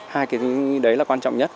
hai cái đấy là quan trọng nhất